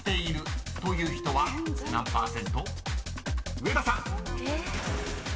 ［上田さん］